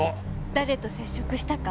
誰と接触したか？